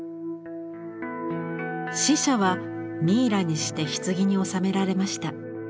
死者はミイラにして棺に納められました。